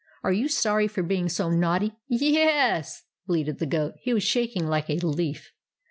Are you sorry for being so naughty ?"" Y e s !" bleated the goat. He was shak ing like a leaf.